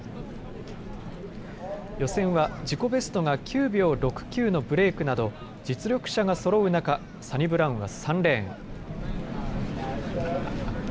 予選は自己ベストが９秒６９のブレークなど実力者がそろう中、サニブラウンは３レーン。